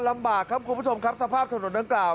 ลำบากครับคุณผู้ชมครับสภาพถนนดังกล่าว